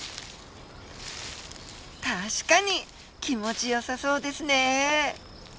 確かに気持ちよさそうですね。